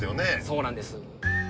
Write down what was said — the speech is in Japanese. そうなんです。